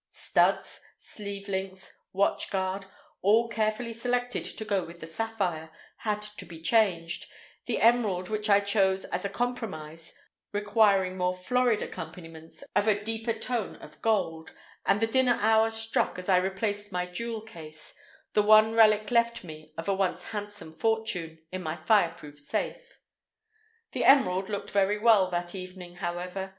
Studs, sleeve links, watch guard, all carefully selected to go with the sapphire, had to be changed, the emerald which I chose as a compromise requiring more florid accompaniments of a deeper tone of gold; and the dinner hour struck as I replaced my jewel case, the one relic left me of a once handsome fortune, in my fireproof safe. The emerald looked very well that evening, however.